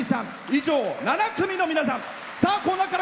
以上、７組の皆さん。